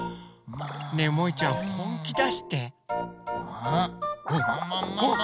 ねえもいちゃんほんきだして！